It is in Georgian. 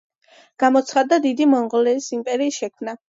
გამოცხადდა დიდი მონღოლეთის იმპერიის შექმნა.